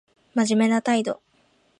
真面目な態度